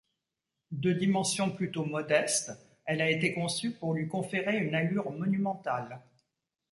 De dimension plutôt modeste, elle a été conçue pour lui conférer une allure monumentale.